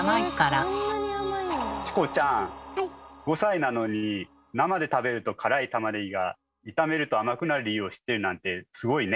チコちゃん５歳なのに生で食べると辛いたまねぎが炒めると甘くなる理由を知っているなんてすごいね。